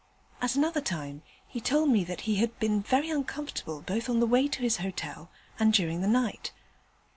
At another time he told me that he had been very uncomfortable both on the way to his hotel and during the night.